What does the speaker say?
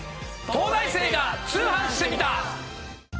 『東大生が通販してみた！！』。